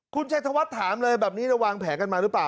คุณเชษฐวัสดิ์ถามเลยแบบนี้แล้ววางแผนกันมาหรือเปล่า